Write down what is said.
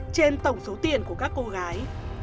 trên tổng số tiền của các cô gái